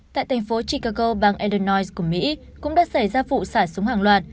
tại thành phố chicago bang edernois của mỹ cũng đã xảy ra vụ xả súng hàng loạt